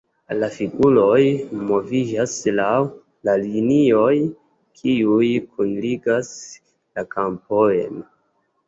La figuroj moviĝas laŭ la linioj, kiuj kunligas la kampojn.